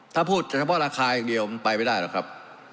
ถ้าพูดเฉพาะราคาอย่างเดียวมันไปไม่ได้หรอกครับ